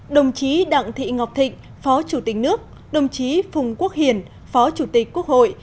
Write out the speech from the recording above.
đồng chí đặng thị ngọc thịnh phó chủ tịch nước đồng chí phùng quốc hiền phó chủ tịch quốc hội